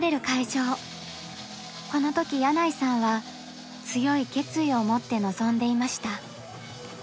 この時箭内さんは強い決意を持って臨んでいました。